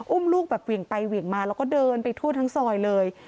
อุ้มลูกแบบเหวี่ยงไปเหวี่ยงมาแล้วก็เดินไปทั่วทั้งซอยเลย